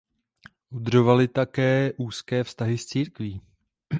Udržovali také úzké vztahy s církví.